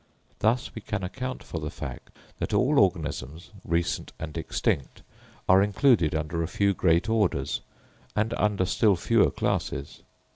Thus, we can account for the fact that all organisms, recent and extinct, are included under a few great orders and under still fewer classes.